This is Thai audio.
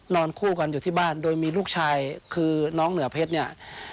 คู่กันอยู่ที่บ้านโดยมีลูกชายคือน้องเหนือเพชรเนี่ย